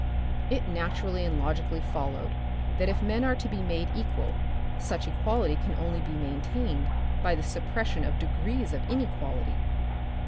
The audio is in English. It naturally and logically followed that if men are to be made equal, such equality can only be maintained by the suppression of degrees of inequality.